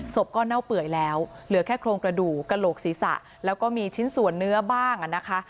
ศพก็เน่าเปื่อยแล้วเหลือแค่โครงกระดูกกระโหลกศีรษะแล้วก็มีชิ้นส่วนเนื้อบ้างนะคะ